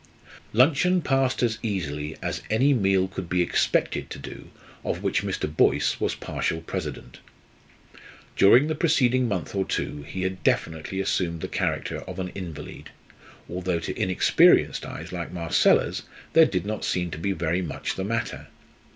Luncheon passed as easily as any meal could be expected to do, of which Mr. Boyce was partial president. During the preceding month or two he had definitely assumed the character of an invalid, although to inexperienced eyes like Marcella's there did not seem to be very much the matter.